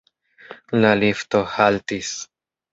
La lifto haltis.